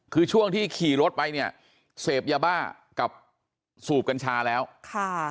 คือช่วงที่ขี่รถไปเนี่ยเสพยาบ้ากับสูบกัญชาแล้วค่ะ